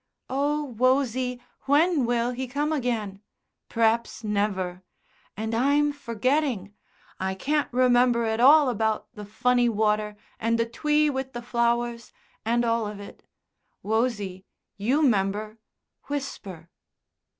"Oh, Wosie, when will he come again.... P'r'aps never. And I'm forgetting. I can't remember at all about the funny water and the twee with the flowers, and all of it. Wosie, you 'member Whisper."